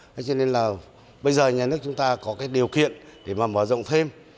thế cho nên là bây giờ nhà nước chúng ta có cái điều kiện để mà mở rộng thêm